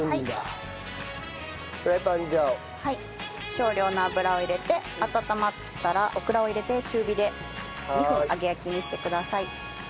少量の油を入れて温まったらオクラを入れて中火で２分揚げ焼きにしてください。